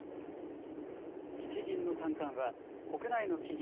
日銀の短観は、国内の企業